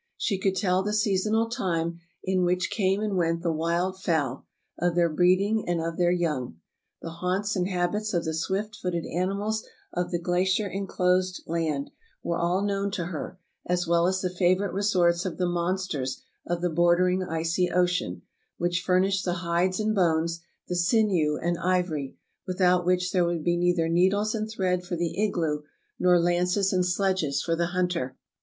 She could tell the seasonal time in which came and went the wild fowl, of their breeding and of their young. The haunts and habits of the swift footed animals of the glacier enclosed land were all known to her, as well as the favorite resorts of the monsters of the bordering icy ocean, which furnished the hides and bones, the sinew and ivory, without which there would be neither needles and thread for the igloo, nor lances and sledges for the hunter.